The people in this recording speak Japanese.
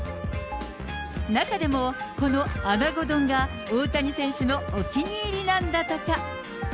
中でも、この穴子丼が大谷選手のお気に入りなんだとか。